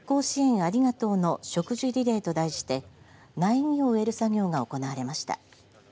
ありがとうの植樹リレーと題して苗木を植える作業が行われました。